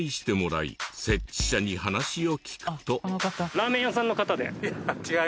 ラーメン屋さんの方で？